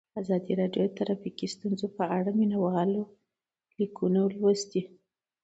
ازادي راډیو د ټرافیکي ستونزې په اړه د مینه والو لیکونه لوستي.